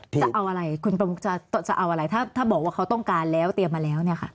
จะเอาอะไรคุณประมุกจะเอาอะไรถ้าบอกว่าเขาต้องการแล้วเตรียมมาแล้วเนี่ยค่ะ